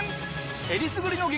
えりすぐりの激